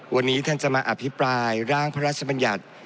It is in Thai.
วันนี้ท่านจะมาอภิปรายร่างพระราชบัญญัติ